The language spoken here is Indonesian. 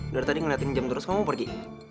dari tadi ngeliatin jam terus kamu pergi